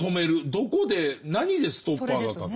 どこで何でストッパーがかかる？